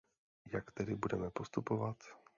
Jak tedy budeme postupovat?